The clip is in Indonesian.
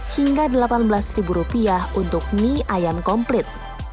hingga rp delapan belas untuk mie ayam komplit